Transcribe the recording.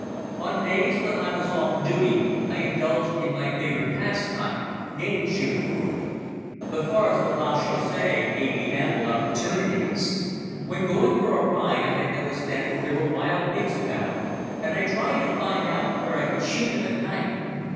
On days when I was off duty I indulged in my favorite pastime, game shooting. The forest of La Chaussee gave me ample opportunities. When going for a ride I had noticed that there were wild pigs about and I tried to find out where I could shoot them at night.